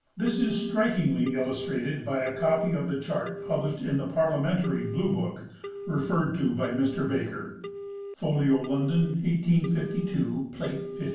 This is strikingly illustrated by a copy of the chart published in the Parliamentary Blue Book referred to by Mr Baker (folio, London, 1852, plate 15).